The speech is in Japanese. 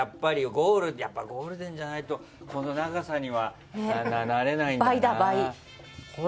やっぱりゴールデンじゃないとこの長さにはなれないんだな。